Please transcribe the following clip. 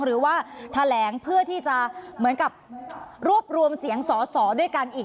หรือว่าแถลงเพื่อที่จะเหมือนกับรวบรวมเสียงสอสอด้วยกันอีก